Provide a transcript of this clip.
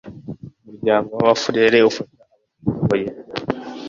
umuryango w’ abafurere ufasha abatishoboye.